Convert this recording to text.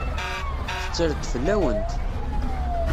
Tetter-d fell-awent.